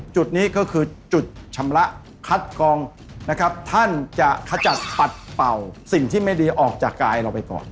จุดนี้ก็คือจุดชำระคัดกองนะครับท่านจะขจัดปัดเป่าสิ่งที่ไม่ดีออกจากกายเราไปก่อน